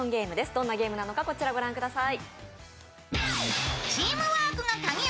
どんなゲームなのか、こちらご覧ください。